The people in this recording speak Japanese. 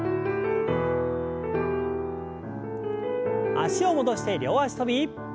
脚を戻して両脚跳び。